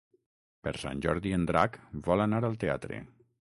Per Sant Jordi en Drac vol anar al teatre.